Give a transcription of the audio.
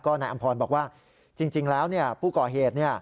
นายอำพรบอกว่าจริงแล้วผู้ก่อเหตุ